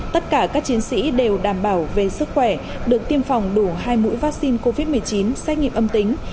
tất cả các chiến sĩ đều đảm bảo về sức khỏe được tiêm phòng đủ hai mũi vaccine covid một mươi chín xét nghiệm âm tính